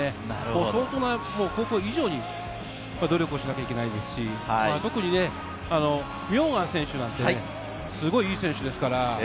相当、高校以上に努力をしなきゃいけないですし、特に名願選手なんてね、すごい、いい選手ですから。